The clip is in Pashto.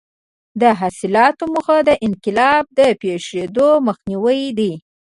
د اصلاحاتو موخه د انقلاب د پېښېدو مخنیوی دی.